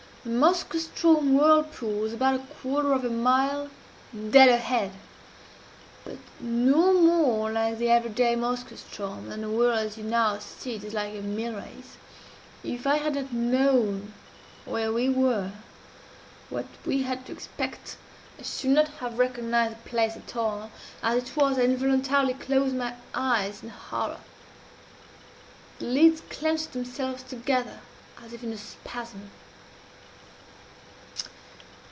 The Moskoe ström whirlpool was about a quarter of a mile dead ahead but no more like the every day Moskoe ström, than the whirl as you now see it is like a mill race. If I had not known where we were, and what we had to expect, I should not have recognized the place at all. As it was, I involuntarily closed my eyes in horror. The lids clenched themselves together as if in a spasm.